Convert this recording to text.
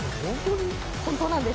本当なんです。